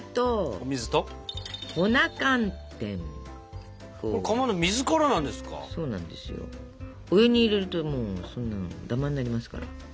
お湯に入れるともうそんなのダマになりますから。